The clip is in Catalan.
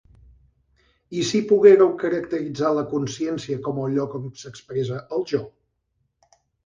I si poguéreu caracteritzar la consciència com el lloc on s'expressa el jo?